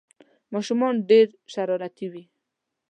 ماشومان ډېر شرارتي وي